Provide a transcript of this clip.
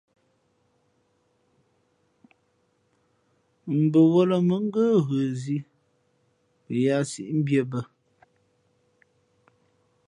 Mbαwᾱlᾱ mα̌ ngə́ ghə zǐ mα yāā síʼ mbīē bᾱ.